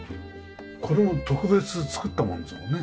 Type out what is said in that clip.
これも特別に作ったものですもんね？